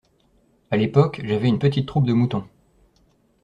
À l’époque, j’avais une petite troupe de moutons.